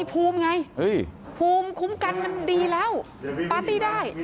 ภูมิไงภูมิคุ้มกันมันดีแล้วปาร์ตี้ได้